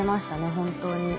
本当に。